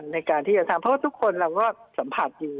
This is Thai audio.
ในการที่จะทำเพราะว่าทุกคนเราก็สัมผัสอยู่